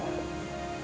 ya udah tapi aku